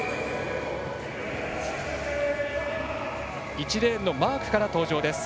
１レーンのマークから登場です。